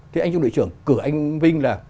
thế anh trung đội trưởng cử anh vinh là